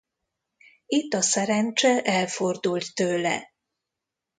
Itt a szerencse elfordult tőle.